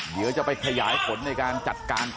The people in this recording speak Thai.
เดี๋ยวจะไปขยายผลในการจัดการต่อ